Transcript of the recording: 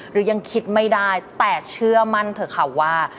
หรือยังคิดไม่ได้แต่เชื่อมั่นเถอะค่ะว่า